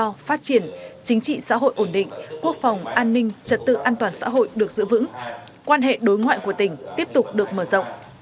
các phát triển chính trị xã hội ổn định quốc phòng an ninh trật tự an toàn xã hội được giữ vững quan hệ đối ngoại của tỉnh tiếp tục được mở rộng